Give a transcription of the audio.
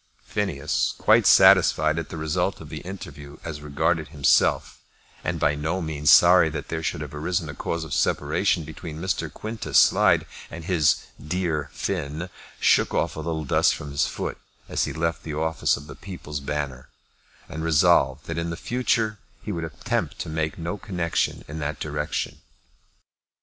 Phineas, quite satisfied at the result of the interview as regarded himself, and by no means sorry that there should have arisen a cause of separation between Mr. Quintus Slide and his "dear Finn," shook off a little dust from his foot as he left the office of the People's Banner, and resolved that in future he would attempt to make no connection in that direction.